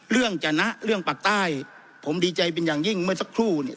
จะนะเรื่องปากใต้ผมดีใจเป็นอย่างยิ่งเมื่อสักครู่เนี่ย